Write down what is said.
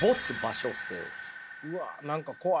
うわっ何か怖い。